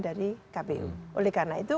dari kpu oleh karena itu